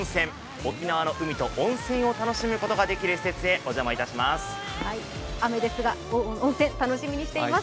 沖縄の海と温泉を楽しむことができる施設へお邪魔します。